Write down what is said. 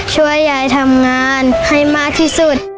ช่วยยายทำงานให้มากที่สุด